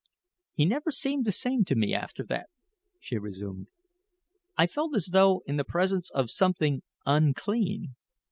"He never seemed the same to me after that," she resumed; "I felt as though in the presence of something unclean.